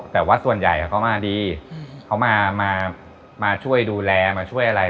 แต่ว่าส่วนใหญ่เขามาดีเขามาช่วยดูแลมาช่วยอะไร